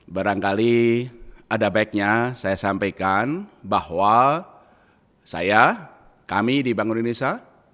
barangkali ada baiknya saya sampaikan bahwa saya kami di bangun indonesia